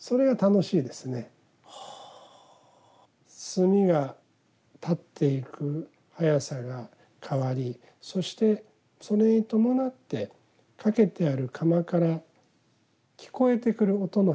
炭がたっていくはやさが変わりそしてそれに伴ってかけてある釜から聞こえてくる音の変化。